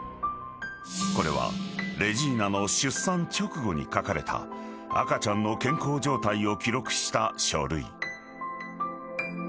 ［これはレジーナの出産直後に書かれた赤ちゃんの健康状態を記録した書類］